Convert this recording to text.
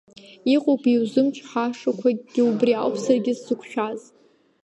Иҟоуп иузымчҳашақәагьы, убри ауп саргьы сзықәшәаз!